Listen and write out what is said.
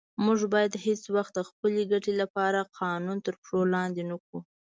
موږ باید هیڅ وخت د خپلې ګټې لپاره قانون تر پښو لاندې نه کړو.